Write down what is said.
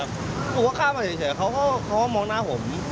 ผมก็ข้ามมาเฉยเขาก็มองหน้าผม